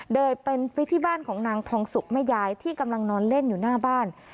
โดยเป็นไปที่บ้านของนางทองสุกแม่ยายที่กำลังนอนเล่นอยู่หน้าบ้าน